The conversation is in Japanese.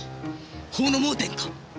法の盲点か！